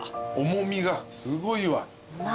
重みがすごいわ。